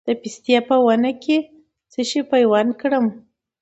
د پستې په ونه څه شی پیوند کړم؟